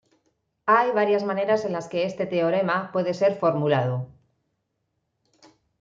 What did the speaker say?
Hay varias maneras en las que este teorema puede ser formulado.